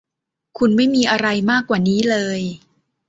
คุณไม่มีอะไรมากกว่านี้เลย